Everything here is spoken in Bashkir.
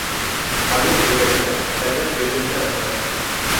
Айыу беләгенә, әҙәм белеменә ышана.